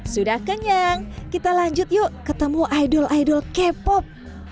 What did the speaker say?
sudah kenyang kita lanjut yuk ketemu idol idol k pop